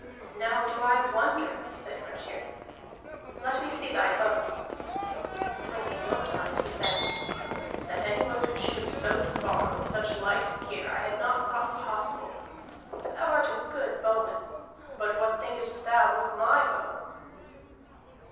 "Now do I wonder," said Grettir. "Let me see thy bow." And when he had looked on it he said: "That any one could shoot so far with such light gear I had not thought possible. Thou art a good bowman. But what thinkest thou of my bow?"